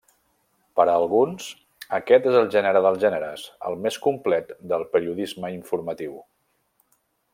Per a alguns, aquest és el gènere dels gèneres, el més complet del periodisme informatiu.